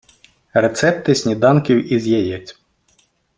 Рецепти сніданків із яєць